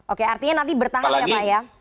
oke artinya nanti bertahan ya pak ya